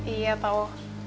iya pak wo